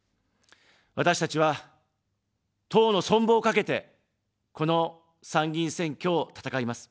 私たちは、党の存亡を懸けて、この参議院選挙を戦います。